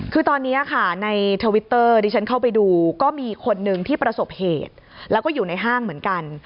คือตอนนี้ค่ะในทวิตเตอร์ดิฉันเข้าไปดูก็มีคนนึงที่ประสบเหตุแล้วก็อยู่ในห้างเหมือนกัน